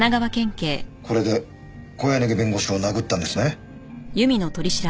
これで小柳弁護士を殴ったんですね？